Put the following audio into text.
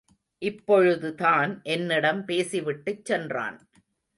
இப்பொழுதுதான் என்னிடம் பேசி விட்டுச் சென்றான்.